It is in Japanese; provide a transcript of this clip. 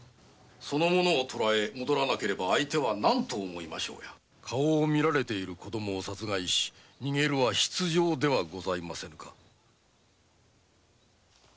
その者を捕らえれば相手はなんと思いましょうや顔を見られている子供を殺害し逃げるは必定でございます。